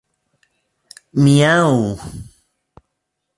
miaŭ